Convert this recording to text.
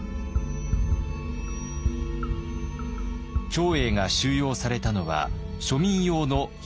長英が収容されたのは庶民用の百姓牢。